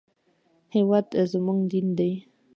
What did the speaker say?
هېواد زموږ دین دی